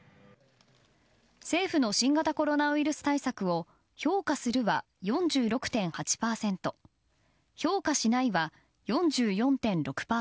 政府の新型コロナウイルス対策を評価するは４６．８％評価しないは４４．６％。